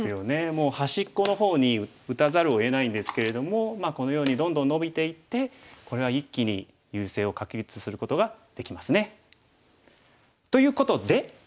もう端っこの方に打たざるをえないんですけれどもこのようにどんどんノビていってこれは一気に優勢を確立することができますね。ということで？